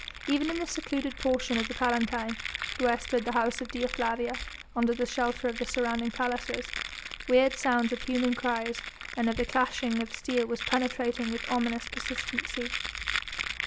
Even in this secluded portion of the Palatine, where stood the house of Dea Flavia under the shelter of the surrounding palaces, weird sounds of human cries and of the clashing of steel was penetrating with ominous persistency.